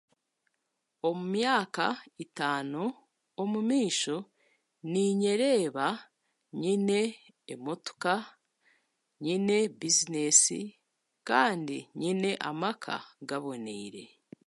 Omu myaka itaano omumaisho ninyereeba nyine emotooka, nyine bizinesi kandi nyine amaaka g'aboniire.